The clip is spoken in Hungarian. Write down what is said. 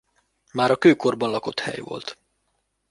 Már a kőkorban lakott hely volt.